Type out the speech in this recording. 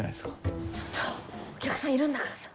ちょっとお客さんいるんだからさ。